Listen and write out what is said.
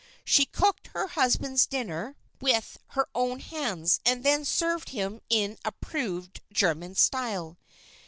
She cooked her husband's dinner with her own hands and then served him in approved German style.